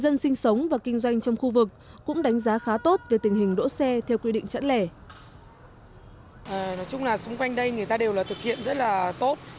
nói chung là xung quanh đây người ta đều là thực hiện rất là tốt